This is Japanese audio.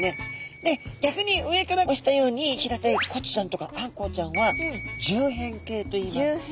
で逆に上からおしたように平たいコチちゃんとかアンコウちゃんは縦扁形といいます。